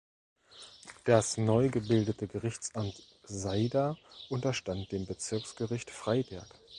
Das neu gebildete Gerichtsamt Sayda unterstand dem Bezirksgericht Freiberg.